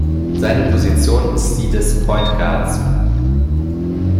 Seine Position ist die des Point Guards.